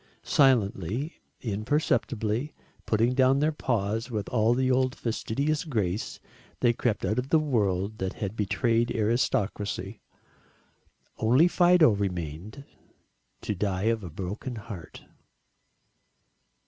Silently, imperceptibly, putting down their paws with all the old fastidious grace, they crept out of a world that had betrayed aristocracy. Only Fido remained to die of a broken heart.